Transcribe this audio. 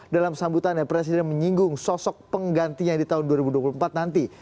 dalam sambutannya presiden menyinggung sosok penggantinya di tahun dua ribu dua puluh empat nanti